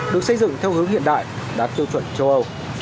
được xây dựng theo hướng hiện đại đạt tiêu chuẩn châu âu